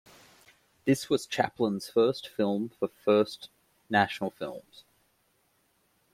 This was Chaplin's first film for First National Films.